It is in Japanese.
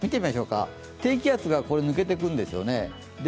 低気圧が抜けていくんですよね。